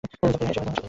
জাকারিয়া হেসে ফেললেন।